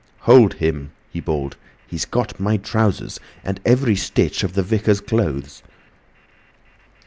"Hold him!" he bawled. "He's got my trousers! And every stitch of the Vicar's clothes!"